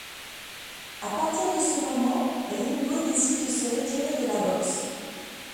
A partir de ce moment, Ringo décide de se retirer de la boxe.